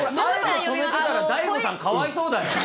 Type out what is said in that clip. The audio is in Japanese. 止めてたら大悟さん、かわいそうだよ。